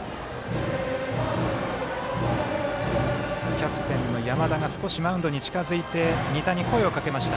キャプテンの山田が少しマウンドに近づいて仁田に声をかけました。